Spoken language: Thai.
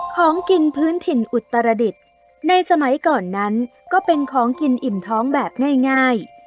ของกินพื้นถิ่นอุตรดิษฐ์ในสมัยก่อนนั้นก็เป็นของกินอิ่มท้องแบบง่าย